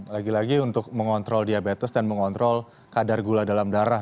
lagi lagi untuk mengontrol diabetes dan mengontrol kadar gula dalam darah